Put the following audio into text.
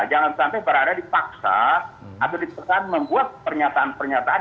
jangan sampai barada dipaksa atau dipesan membuat pernyataan pernyataan